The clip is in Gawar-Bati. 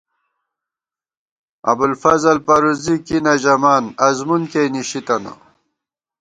ابُوالفضل پرُوزی کی نہ ژَمان ازمُن کېئی نِشی تنہ